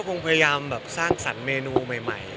ก้ะพยายามแบบสร้างสัดเมนูไหม